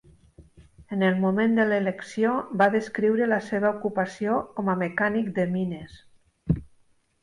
En el moment de l'elecció, va descriure la seva ocupació com a "mecànic de mines".